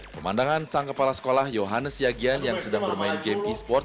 pemandangan sang kepala sekolah yohanes siagian yang sedang bermain game e sport